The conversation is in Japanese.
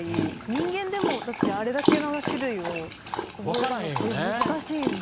人間でもだってあれだけの種類を覚えるって難しいんで。